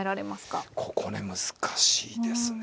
ここね難しいですね。